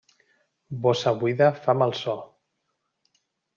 Bossa buida fa mal so.